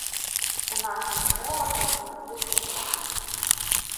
У нашых умовах гэта надзвычай важна.